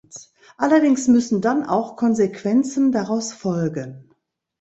Allerdings müssen dann auch Konsequenzen daraus folgen.